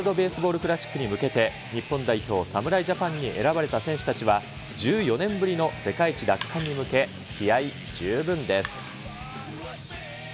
クラシックに向けて、日本代表侍ジャパンに選ばれた選手たちは、１４年ぶりの世界一奪還に向け、気合い十分です。